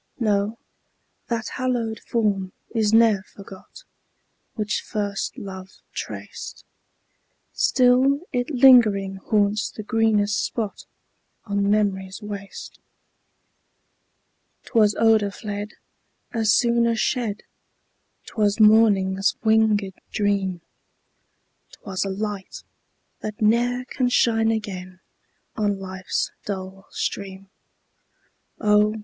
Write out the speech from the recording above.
No, that hallowed form is ne'er forgot Which first love traced; Still it lingering haunts the greenest spot On memory's waste. 'Twas odor fled As soon as shed; 'Twas morning's winged dream; 'Twas a light, that ne'er can shine again On life's dull stream: Oh!